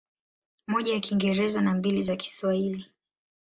Moja ya Kiingereza na mbili za Kiswahili.